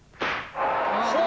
ほう！